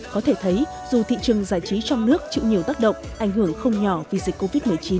có thể thấy dù thị trường giải trí trong nước chịu nhiều tác động ảnh hưởng không nhỏ vì dịch covid một mươi chín